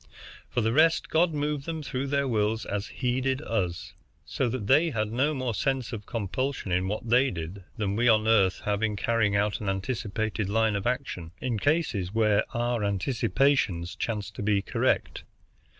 For the rest, God moved them through their wills as He did us, so that they had no more dense of compulsion in what they did than we on Earth have in carrying out an anticipated line of action, in cases where our anticipations chance to be correct.